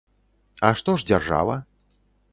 А што ж дзяржава?